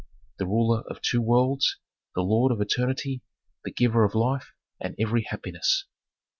the ruler of two worlds, the lord of eternity, the giver of life and every happiness.